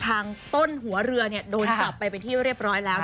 ต้นหัวเรือโดนจับไปเป็นที่เรียบร้อยแล้ว